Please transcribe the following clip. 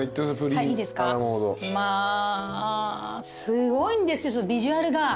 すごいんですよビジュアルが。